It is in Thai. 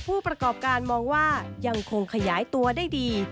ผู้ประกอบการมองว่ายังคงขยายตัวได้ดี